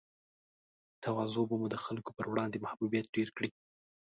تواضع به مو د خلګو پر وړاندې محبوبیت ډېر کړي